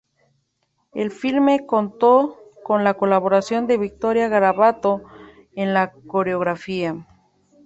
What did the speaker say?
El filme contó con la colaboración de Victoria Garabato en la coreografía.